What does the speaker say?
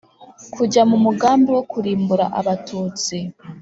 kujya mu mugambi wo kurimbura abatutsi.